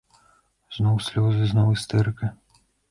Зноў слёзы, зноў істэрыка!